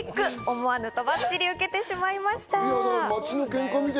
思わぬとばっちりを受けてしまいました。